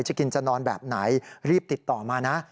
จะกินจะนอนแบบไหนรีบติดต่อมานะ